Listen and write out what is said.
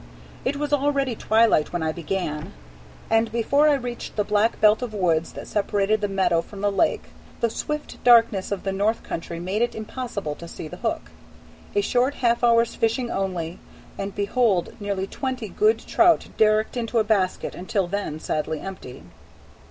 It was already twilight when I began, and before I reached the black belt of woods that separated the meadow from the lake, the swift darkness of the North Country made it impossible to see the hook. A short half hour's fishing only, and behold nearly twenty good trout derricked into a basket until then sadly empty.